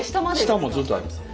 下もずっとあります。